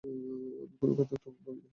আমি কোনো কথা উত্থাপন করিব না।